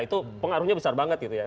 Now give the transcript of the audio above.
itu pengaruhnya besar banget gitu ya